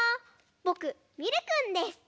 ぼくミルくんです。